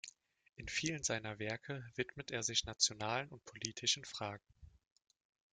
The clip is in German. In vielen seiner Werke widmet er sich nationalen und politischen Fragen.